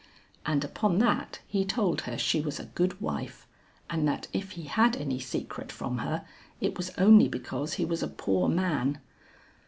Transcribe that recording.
And upon that he told her she was a good wife and that if he had any secret from her it was only because he was a poor man.